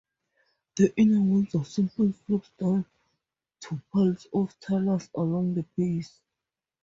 The inner walls are simple slopes down to piles of talus along the base.